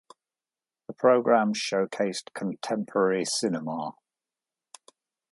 The programme showcased contemporary cinema.